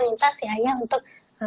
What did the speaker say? minta si ayah untuk